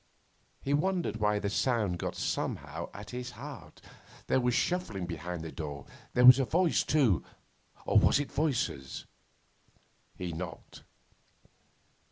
He wondered why the sound got somehow at his heart. There was shuffling behind the door; there was a voice, too or was it voices? He knocked.